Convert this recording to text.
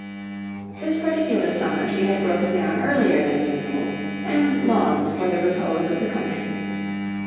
This particular summer she had broken down earlier than usual, and longed for the repose of the country.